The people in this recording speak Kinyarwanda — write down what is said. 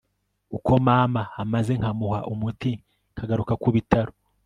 uko mama amaze nkamuha umuti nkagaruka kubitaro